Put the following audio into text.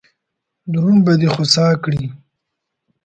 درون به دې خوسا کړي.